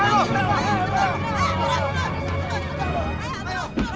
mau kenal lagi mi mau kenal lagi